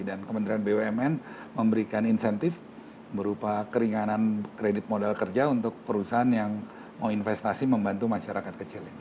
dan kementerian bumn memberikan insentif berupa keringanan kredit modal kerja untuk perusahaan yang mau investasi membantu masyarakat kecil ini